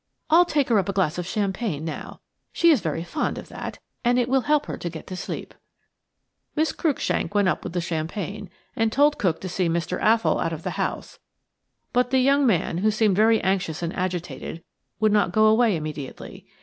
I'll take her up a glass of champagne now. She is very fond of that, and it will help her to get to sleep." Miss Cruikshank went up with the champagne, and told cook to see Mr. Athol out of the house; but the young man, who seemed very anxious and agitated, would not go away immediately.